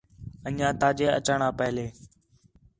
انڄیاں تا جے اچݨ آ پہلے